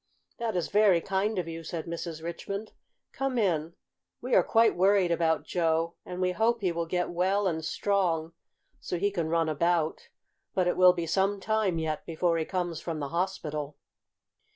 "That is very kind of you," said Mrs. Richmond. "Come in. We are quite worried about Joe, and we hope he will get well and strong so he can run about. But it will be some time yet before he comes from the hospital."